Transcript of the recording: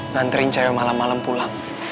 nganterin cair malam malam pulang